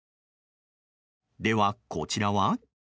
ではこちらは？